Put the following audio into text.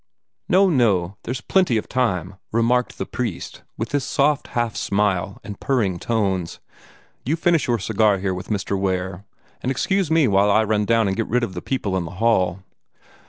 "No, no! There's plenty of time," remarked the priest, with his soft half smile and purring tones. "You finish your cigar here with Mr. Ware, and excuse me while I run down and get rid of the people in the hall."